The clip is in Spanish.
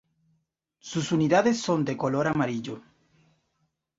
Sus unidades son de color amarillo.